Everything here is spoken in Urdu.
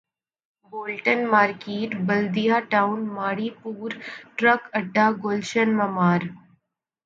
Bolton Market Baldia Town Mauripur truck اڈہ گلشن معمار